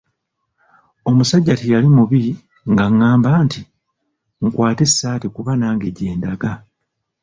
Omusajja teyali mubi ng'angamba nti, "nkwata essaati kuba nange gye ndaga."